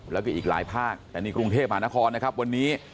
แล้วก็อีกหลายภาคแต่นี่กรุงเทพมหานครนะครับวันนี้